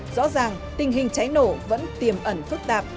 rõ ràng tình hình cháy nổ vẫn tiềm ẩn phức tạp